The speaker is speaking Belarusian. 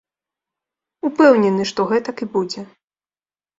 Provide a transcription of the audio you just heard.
Упэўнены, што гэтак і будзе.